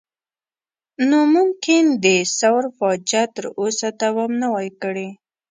نو ممکن د ثور فاجعه تر اوسه دوام نه وای کړی.